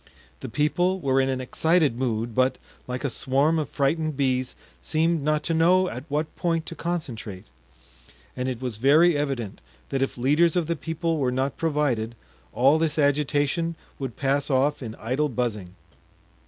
The people were in an excited mood, but, like a swarm of frightened bees, seemed not to know at what point to concentrate; and it was very evident that if leaders of the people were not provided all this agitation would pass off in idle buzzing.